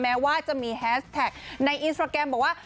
แม้ว่าจะมีแฮสแท็กในอินสตราแกรมบอกว่า